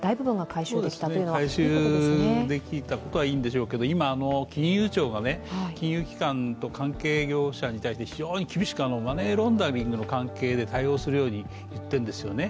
回収できたことはいいんですけど、今、金融庁が金融機関と関係業者に対して非常に厳しくマネーロンダリングの関係で対応するように言ってるんですよね。